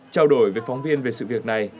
trao đổi với phóng viên về sự việc này